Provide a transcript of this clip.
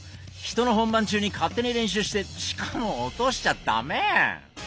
人の本番中に勝手に練習してしかも落としちゃ駄目！